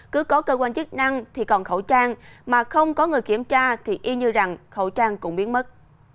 cứ có cơ quan chức năng thì còn khẩu trang mà không có người kiểm tra thì y như rằng khẩu trang cũng biến mất